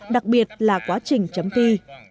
đặc biệt là quá trình chấm thi